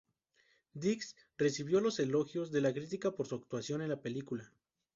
Diggs recibió los elogios de la crítica por su actuación en la película.